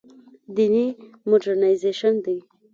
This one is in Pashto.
دیني مډرنیزېشن دی.